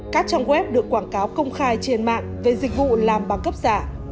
các trang web được quảng cáo công khai trên mạng về dịch vụ làm băng cấp giả